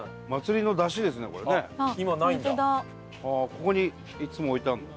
ここにいつも置いてあるんだ。